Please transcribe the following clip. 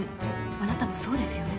あなたもそうですよね？